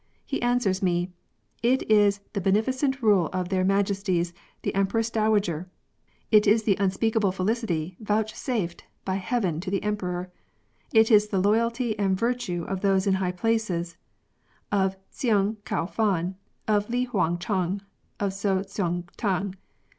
He answers me, 'It is the beneficent rule of their Majesties the Empresses Dow\ager ; it is the unspeakable felicity vouchsafed by Heaven to the Emperor ; it is the loyalty and virtue of those in high places, of Tseng Kuo fan, of Li Hung chang, of Tso Tsung t'ang.'